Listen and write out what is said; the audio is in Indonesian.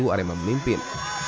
tiga satu arema memimpin